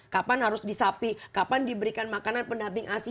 kapan harus disapi kapan diberikan makanan pendamping asi